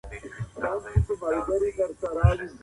څانګې خپلواک پاتې کیږي، خو یو بل ته مرسته ورکوي.